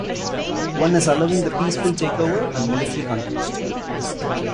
One is allowing the peaceful takeover, and military conquest.